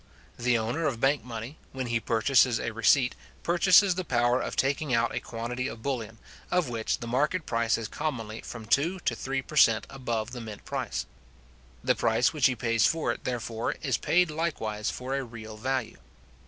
The owner of bank money, when he purchases a receipt, purchases the power of taking out a quantity of bullion, of which the market price is commonly from two to three per cent. above the mint price. The price which he pays for it, therefore, is paid likewise for a real value.